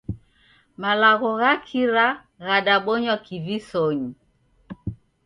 Malagho gha kira ghadabonywa kivisonyi.